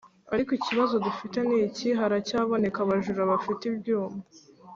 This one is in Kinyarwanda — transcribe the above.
Ariko ikibazo dufite niki haracyaboneka abajura bafite ibyuma